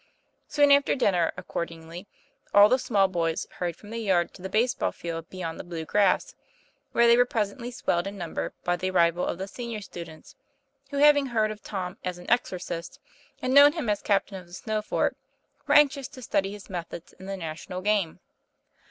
Soon after dinner, accordingly, all the small boys hurried from the yard to the base ball field beyond the blue grass, where they were presently swelled in number by the arrival of the senior students, who, having heard of Tom as an "exorcist," and known him as captain of the snow fort, were anxious to study his methods in the national game.